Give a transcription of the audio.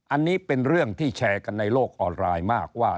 อันนี้เป็นเรื่องที่แชร์กันในโลกออนไลน์มากว่า